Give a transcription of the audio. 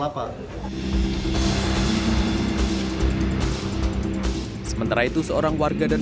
kepatihan yang terakhir di kepatihan